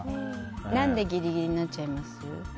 何でギリギリになっちゃいます？